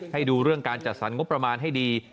ให้ดูเรื่องการจัดสรรงบประมาณให้ดี